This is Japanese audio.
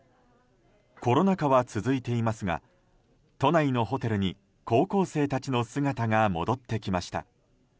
コロナ禍は続いていますが都内のホテルに高校生たちの姿が戻ってきました。